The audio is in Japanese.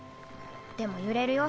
でも揺れるよ。